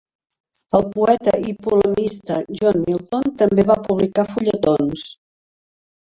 El poeta i polemista John Milton també va publicar fulletons.